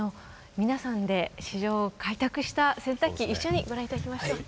皆さんで市場を開拓した洗濯機一緒にご覧頂きましょう。